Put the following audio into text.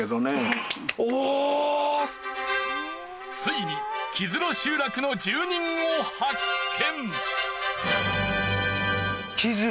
ついに木津呂集落の住人を発見。